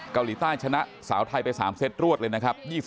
เกาหลีใต้ชนะสาวไทยไป๓เซตรวดเลยนะครับ